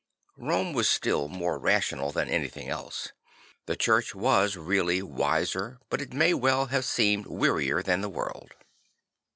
Rome was still more rational than anything else; the Church was really wiser but it may well have seemed wearier than the world.